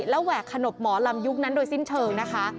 แล้วแหวกขนบหมอลำยุคนั้นโดยสิ้นเชิงนะคะ